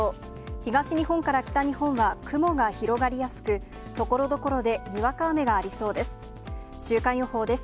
東日本から北日本は雲が広がりやすく、ところどころでにわか雨がありそうです。